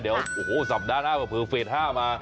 เดี๋ยวโอ้โหสัปดาห์หน้าเผลอเฟส๕มา